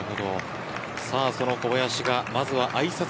その小林がまずはあいさつ